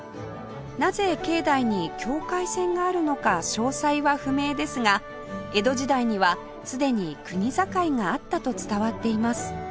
なぜ境内に境界線があるのか詳細は不明ですが江戸時代にはすでに国境があったと伝わっています